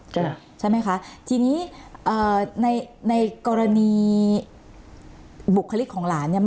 ใช่ไหมคะทีนี้เอ่อในในกรณีบุคลิกของหลานเนี่ย